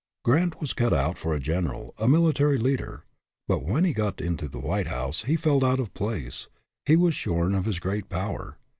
Grant was cut out for a general, a military leader ; but when he got into the White House he felt out of place, he was shorn of his great power.